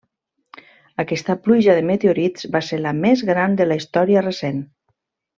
Aquesta pluja de meteorits va ser la més gran de la història recent.